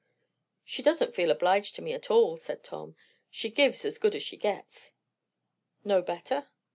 "She doesn't feel obliged to me at all," said Tom. "She gives a good as she gets." "No better?"